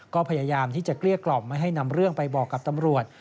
ก็พยายามที่จะเกลี้ยกล่อมไม่ให้นำเรื่องไปบอกกับตำรวจ